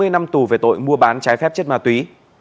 hai mươi năm tù về tội mua bán trái phép chất ma túy